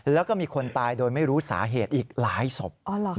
แล้วก็มีคนตายโดยไม่รู้สาเหตุอีกหลายศพ